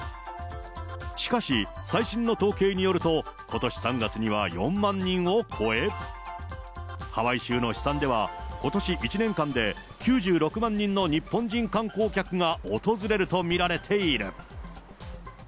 しかし、最新の統計によると、ことし３月には４万人を超え、ハワイ州の試算では、ことし１年間で９６万人の日本人観光客が訪れると見られている。